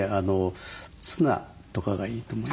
ツナとかがいいと思いますね。